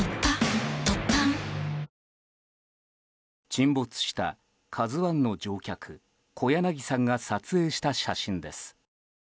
沈没した「ＫＡＺＵ１」の乗客小柳さんが撮影した写真です。